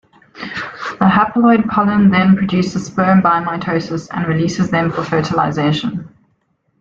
The haploid pollen then produces sperm by mitosis and releases them for fertilization.